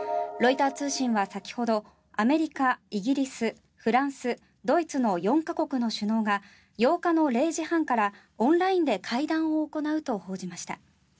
ロイター通信は先ほどアメリカ、イギリス、フランスドイツの４か国の首脳が８日の０時半からオンラインで会談を行うと報じました。